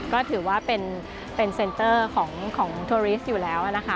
ก็ถือว่าเป็นเซ็นเตอร์ของทัวริสอยู่แล้วนะคะ